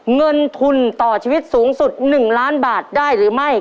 เงินทุนต่อชีวิตสูงสุด๑ล้านบาทได้หรือไม่